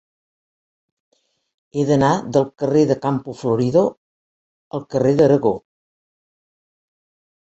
He d'anar del carrer de Campo Florido al carrer d'Aragó.